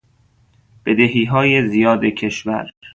بدهیهای زیاد کشور